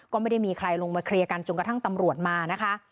ก็ไม่ได้มีใครลงมาเคลียร์กันจนกระทั่งตำรวจมานะคะ